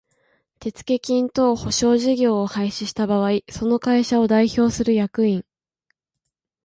手付金等保証事業を廃止した場合その会社を代表する役員